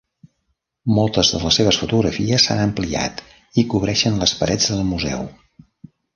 Moltes de les seves fotografies s'han ampliat i cobreixen les parets del museu.